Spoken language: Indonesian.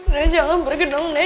nek jangan pergi dong nek